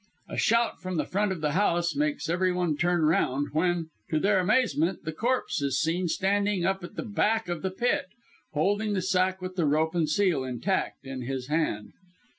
A shout from the front of the House makes every one turn round, when, to their amazement, "the corpse" is seen standing up at the back of "the Pit," holding the sack with the rope and seal intact in his hand.